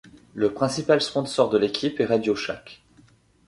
Le principal sponsor de l'équipe est RadioShack.